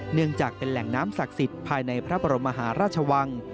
เนื่องจากเป็นแหล่งน้ำศักดิ์สิทธิ์ภายในพระบรมมหาราชวัง